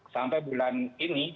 sampai bulan ini